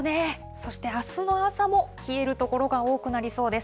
そしてあすの朝も冷える所が多くなりそうです。